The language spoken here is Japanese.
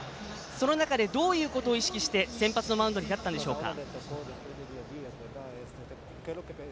その中でどういうことを意識して先発マウンドに立ったんでしょうか。